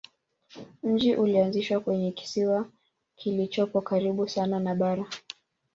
Mji ulianzishwa kwenye kisiwa kilichopo karibu sana na bara.